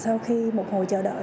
thì sau khi một hồi chờ đợi